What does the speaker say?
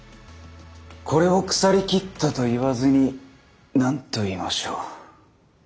これを腐りきったと言わずに何と言いましょう。